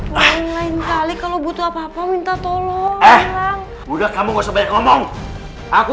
lain lain kali kalau butuh apa apa minta tolong udah kamu gak usah banyak ngomong aku